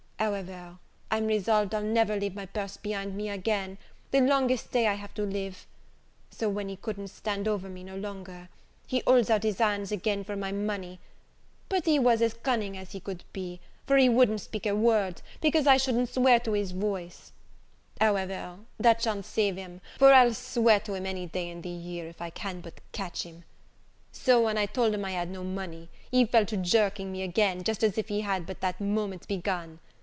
However, I'm resolved I'll never leave my purse behind me again, the longest day I have to live. So when he couldn't stand over me no longer, he holds out his hands again for my money; but he was as cunning as could be, for he wouldn't speak a word, because I shouldn't swear to his voice; however, that sha'n't save him, for I'll swear to him any day in the year, if I can but catch him. So, when I told him I had no money, he fell to jerking me again, just as if he had but that moment begun!